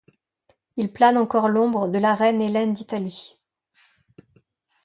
Il plane encore l’ombre de la reine Hélène d’Italie.